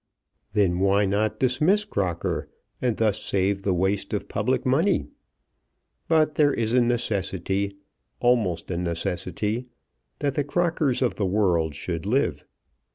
Then why not dismiss Crocker, and thus save the waste of public money? But there is a necessity, almost a necessity, that the Crockers of the world should live.